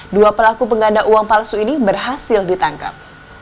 dua pelaku pengganda uang palsu ini berhasil ditangkap